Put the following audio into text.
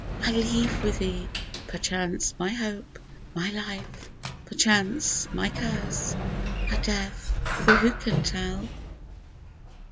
I leave with thee, perchance, my Hope, my Life, Perchance my curse, my death, for who can tell?